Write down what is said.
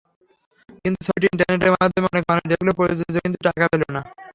কিন্তু ছবিটি ইন্টারনেটের মাধ্যমে অনেক মানুষ দেখলেও প্রযোজক কিন্তু টাকা পেল না।